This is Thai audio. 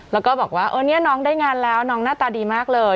แล้วก็บอกว่าเออเนี่ยน้องได้งานแล้วน้องหน้าตาดีมากเลย